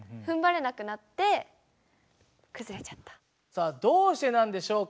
さあどうしてなんでしょうか。